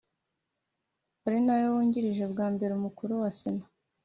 Ari nawe wungirije bwa mbere umukuru wa sena